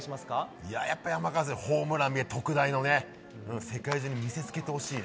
いややっぱり、山川さん、ホームランね、特大のね、世界中に見せつけてほしいね。